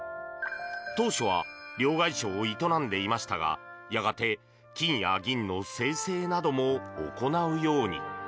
当初は両替商を営んでいましたがやがて金や銀の精製なども行うように。